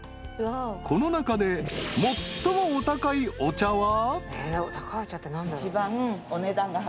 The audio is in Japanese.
［この中で最もお高いお茶は？］